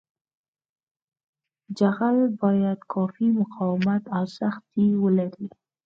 جغل باید کافي مقاومت او سختي ولري